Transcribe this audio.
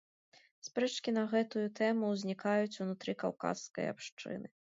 Спрэчкі на гэтую тэму ўзнікаюць ўнутры каўказскай абшчыны.